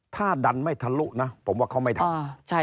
ถ้าดันไม่ทะลุนะผมว่าเขาไม่ทัน